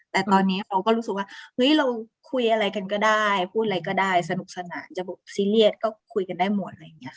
แต่ตอนนี้เราก็รู้สึกว่าเราคุยอะไรกันก็ได้พูดอะไรก็ได้สนุกสนานจะบอกซีเรียสก็คุยกันได้หมด